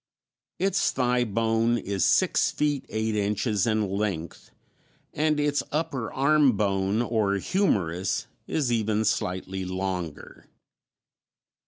Its thigh bone is six feet eight inches in length, and its upper arm bone, or humerus, is even slightly longer.